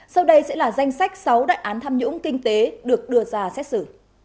sau đây sẽ là danh sách sáu đại án tham nhũng kinh tế được đưa ra xét xử